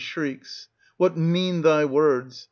23 1 shrieks? What mean thy words?